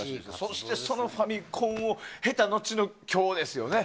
そして、そのファミコンを経た後の今日ですね。